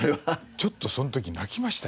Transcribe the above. ちょっとその時泣きましたよ。